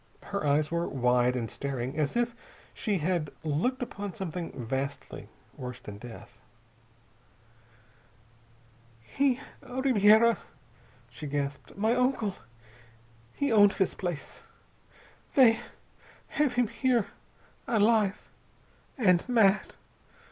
Her eyes were wide and staring, as if she had looked upon something vastly worse than death. "He Ribiera," she gasped. "My uncle, he owned this place. They have him here alive and mad!